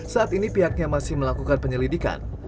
saat ini pihaknya masih melakukan penyelidikan